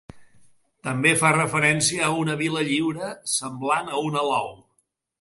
També fa referència a una vila lliure, semblant a un alou.